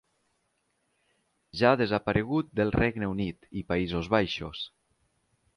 Ja ha desaparegut del Regne Unit i Països Baixos.